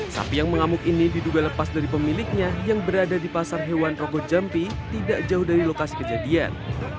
sapi yang mengamuk ini diduga lepas dari pemiliknya yang berada di pasar hewan rogo jampi tidak jauh dari lokasi kejadian